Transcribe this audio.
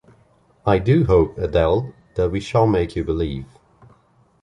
I do hope, Adele, that we shall make you believe.